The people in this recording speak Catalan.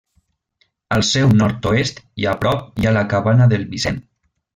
Al seu nord-oest i a prop hi ha la Cabana del Vicent.